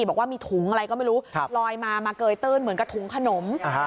บอกว่ามีถุงอะไรก็ไม่รู้ลอยมามาเกยตื้นเหมือนกับถุงขนม